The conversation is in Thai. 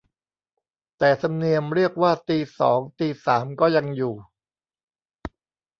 แต่ธรรมเนียมเรียกว่าตีสองตีสามก็ยังอยู่